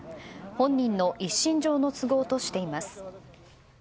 本人の一身上の都合としています。